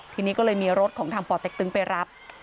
ทีนี้ก็เลยมีรถของทางป่อเต็กตึงไปรับ